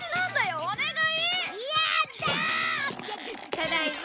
ただいま。